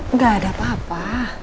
enggak ada apa apa